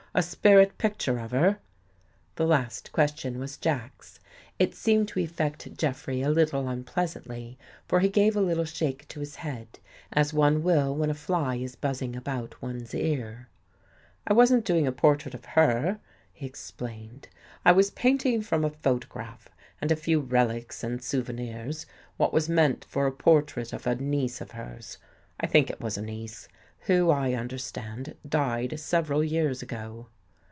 A spirit picture of her?" The last question was Jack's. It seemed to ef fect Jeffrey a little unpleasantly, foi he gave a little shake to his head as one will when a fly is buzzing about one's ear, " I wasn't doing a portrait of her," he explained. '' I was painting from a photograph, and a few relics and souvenirs, what was meant for a portrait of a niece of hers — I think it was a niece — who, I un derstand, died several years ago."